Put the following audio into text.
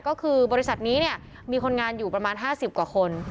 ก็คือบริษัทนี้เนี่ยมีคนงานอยู่ประมาณ๕๐กว่าคน